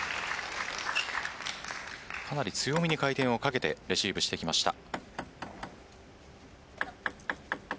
かなり強めに回転をかけてレシーブしてきました。